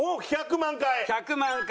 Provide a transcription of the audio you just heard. １００万回！